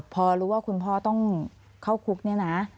พอรู้ว่าคุณพ่อต้องเข้าคุกเนี่ยนะ